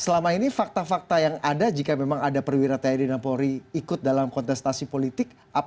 selama ini fakta fakta yang ada jika memang ada perwira tni dan polri ikut dalam kontestasi politik